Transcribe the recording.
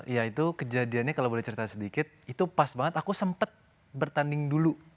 ya itu kejadiannya kalau boleh cerita sedikit itu pas banget aku sempet bertanding dulu